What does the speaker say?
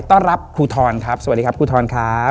ต้อนรับครูทรครับสวัสดีครับครูทรครับ